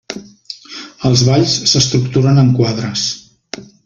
Els balls s'estructuren en quadres.